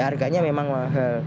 ya harganya memang mahal